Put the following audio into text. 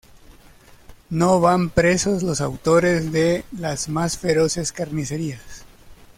No van presos los autores de las más feroces carnicerías.